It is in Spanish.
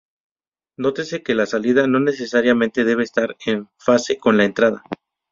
Nótese que la salida no necesariamente debe estar en fase con la entrada.